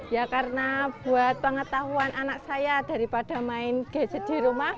ya karena buat pengetahuan anak saya daripada main gadget di rumah